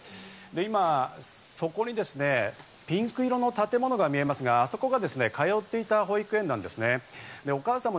今そこにですね、ピンク色の建物がありますが、そこが通っていた保育園なんですね。